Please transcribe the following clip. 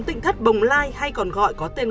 tịnh thất bồng lai hay còn gọi có tên